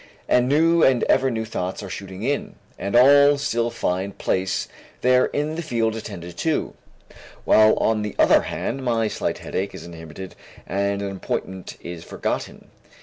And new and ever new thoughts are shooting in, and all still find place there in the field attended to, while on the other hand my slight headache is inhibited and an appointment is forgotten.